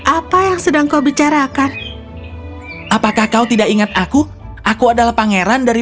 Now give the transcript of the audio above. apa yang sedang kau bicarakan apakah kau tidak ingat aku aku adalah pangeran dari